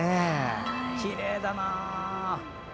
きれいだな。